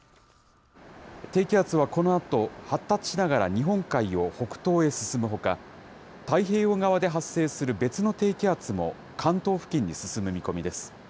低気圧はこのあと発達しながら日本海を北東へ進むほか、太平洋側で発生する別の低気圧も、関東付近に進む見込みです。